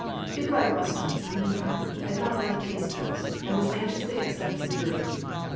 Nikolai Bostof, meantime, had not left his post, and anxiously expecting the brute.